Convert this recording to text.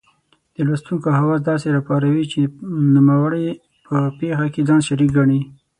د لوستونکې حواس داسې را پاروي چې نوموړی په پېښه کې ځان شریک ګڼي.